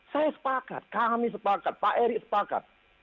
saya sepakat kami sepakat pak erick sepakat